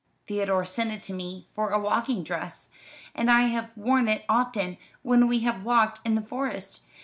Theodore sent it to me for a walking dress, and I have worn it often when we have walked in the Forest.